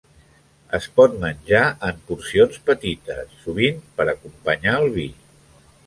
Es pot menjar en porcions petites, sovint per acompanyar el vi.